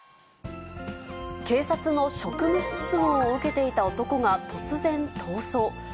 警察の職務質問を受けていた男が突然逃走。